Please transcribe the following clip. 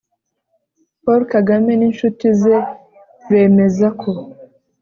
paul kagame n'inshuti ze bemeza ko